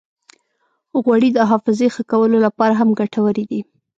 غوړې د حافظې ښه کولو لپاره هم ګټورې دي.